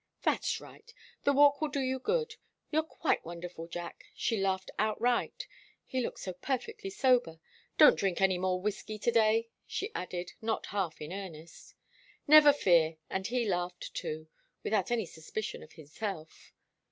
"That's right. The walk will do you good. You're quite wonderful, Jack!" She laughed outright he looked so perfectly sober. "Don't drink any more whiskey to day!" she added, not half in earnest. "Never fear!" And he laughed too, without any suspicion of himself.